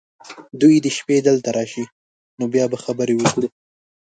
دوی دې شپې دلته راشي ، نو بیا به خبرې وکړو .